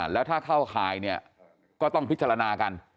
แล้วถ้าเข้าข่ายเนี่ยก็ต้องพิจารณากัน